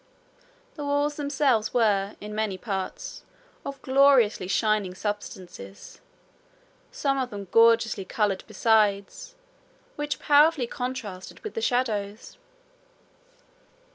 The walls themselves were, in many parts, of gloriously shining substances, some of them gorgeously coloured besides, which powerfully contrasted with the shadows.